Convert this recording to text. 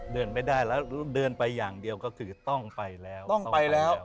เดินไม่ได้แล้วเดินไปอย่างเดียวก็คือต้องไปแล้วต้องไปแล้ว